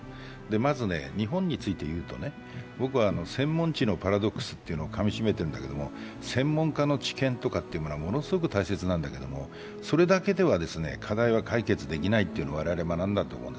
まず、日本について言うと、僕は専門値のパラドクスというのをかみしめてるんだけど専門家の知見とかはものすごく大切なんだけど、それだけでは課題は解決できないというのを我々、学んだと思う。